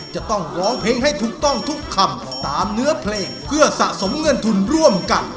จะต้องร้องเพลงให้ถูกต้องทุกคำตามเนื้อเพลงเพื่อสะสมเงินทุนร่วมกัน